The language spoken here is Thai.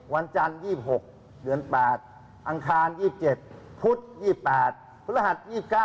วันจันทร์ที่๒โอนใหม่เดือน๙อัญคาร๓พุธ๔ผลหัศน์๕